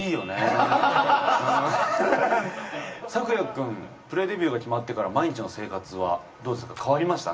サクヤ君プレデビューが決まってから毎日の生活はどうですか変わりました？